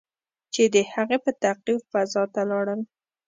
چې د هغې په تعقیب فضا ته لاړل.